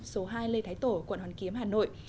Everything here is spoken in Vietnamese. số hai lê thái tổ quận hoàn kiếm hà nội